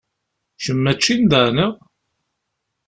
Kemm mačči n da, neɣ?